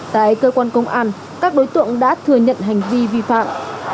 tại cơ quan công an các đối tượng đã thừa nhận hành vi vi phạm